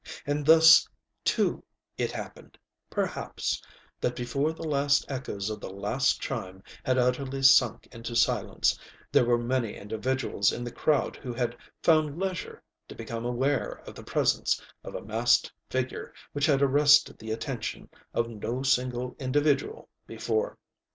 And thus, too, it happened, perhaps, that before the last echoes of the last chime had utterly sunk into silence, there were many individuals in the crowd who had found leisure to become aware of the presence of a masked figure which had arrested the attention of no single individual before.